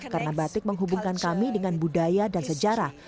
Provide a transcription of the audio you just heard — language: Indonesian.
karena batik menghubungkan kami dengan budaya dan sejarah